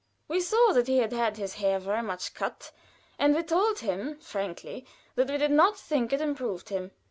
We saw that he had had his hair very much cut, and we told him frankly that we did not think it improved him.